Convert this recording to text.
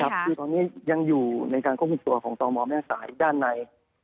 คือตอนนี้ยังอยู่ในการควบคุมตัวของตมแม่สายด้านใน